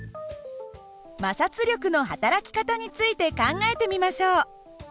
摩擦力のはたらき方について考えてみましょう。